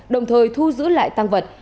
đồng thời thu giữ lại tăng vật